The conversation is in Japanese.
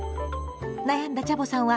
悩んだチャボさんは